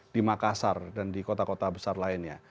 di makassar dan di kota kota besar lainnya